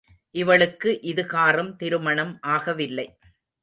இவளுக்கு இதுகாறும் திருமணம் ஆக வில்லை.